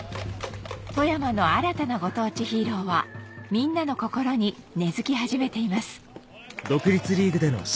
・富山の新たなご当地ヒーローはみんなの心に根付き始めています・ナイスボール！